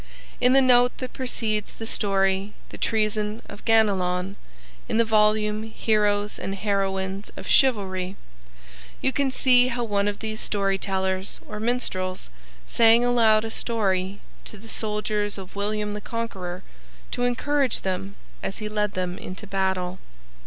In the note that precedes the story "The Treason of Ganelon," in the volume "Heroes and Heroines of Chivalry," you can see how one of these story tellers, or minstrels, sang aloud a story to the soldiers of William the Conqueror to encourage them as he led them into battle.